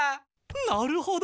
なるほど！